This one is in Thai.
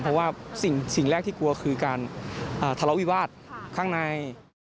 เพราะว่าสิ่งแรกที่กลัวคือการทะเลาะวิวาสข้างใน